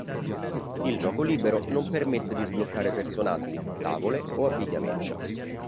Il gioco libero non permette di sbloccare personaggi, tavole o abbigliamenti.